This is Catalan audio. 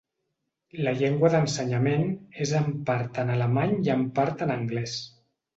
La llengua d'ensenyament és en part en alemany i en part en anglès.